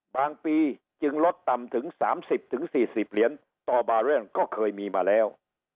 ปีจึงลดต่ำถึง๓๐๔๐เหรียญต่อบาร์เรื่องก็เคยมีมาแล้ว